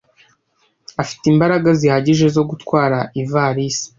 Afite imbaraga zihagije zo gutwara ivalisi.